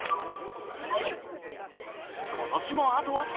今年もあと僅か。